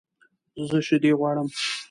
زه شیدې غواړم